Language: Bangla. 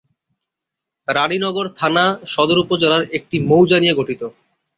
রাণীনগর থানা, সদর উপজেলার একটি মৌজা নিয়ে গঠিত।